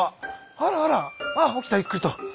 ああ起きたゆっくりと。